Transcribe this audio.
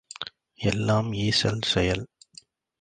எல்லாம் ஈசல் செயல்.